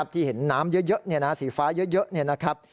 ที่เห็นน้ำเยอะสีฟ้าเยอะนะครับ